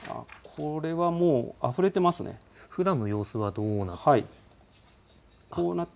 ふだんの様子はどうなっていこうなって。